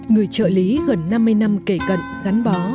người trợ lý gần năm mươi năm kể cận gắn bó